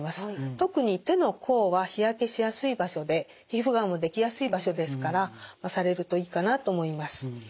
特に手の甲は日焼けしやすい場所で皮膚がんもできやすい場所ですからされるといいかなと思います。